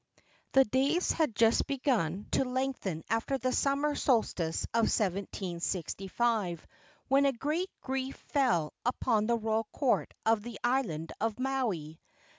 The days had just begun to lengthen after the summer solstice of 1765 when a great grief fell upon the royal court of the island of Maui.